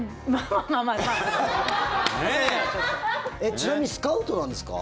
ちなみにスカウトなんですか？